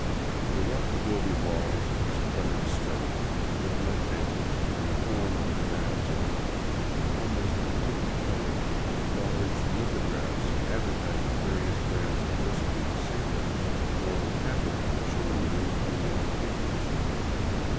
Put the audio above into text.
The rough adobe walls of his cluttered study, with mud benches in the form of divans around them, were almost completely covered with large litho graphs advertising various brands of whiskey and cigarettes, more than half of them showing nude female figures.